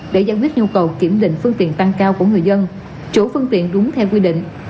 để giải quyết nhu cầu kiểm định phương tiện tăng cao của người dân chủ phương tiện đúng theo quy định